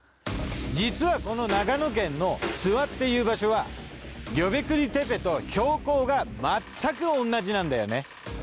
実はこの長野県の諏訪っていう場所はギョベクリ・テペと標高がまったく同じなんだよね。